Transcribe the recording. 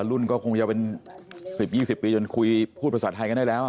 จะมีก็คงอยู่เป็น๑๐๒๐ปีจนคุยพูดภาษาไทยกันได้แล้วอ่ะ